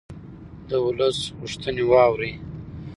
د ولس غوښتنې واورئ